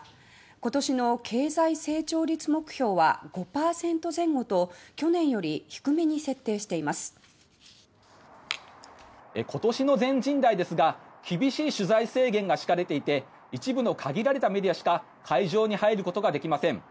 今年の経済成長率目標は５％前後と去年より低めに設定していますし今年の全人代ですが厳しい取材制限が敷かれていて一部の限られたメディアしか会場に入ることができません。